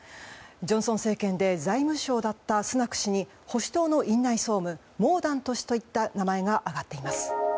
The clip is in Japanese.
ジョンソン政権で財務相だったスナク氏に保守党の院内総務モーダント氏などの名前が挙がっています。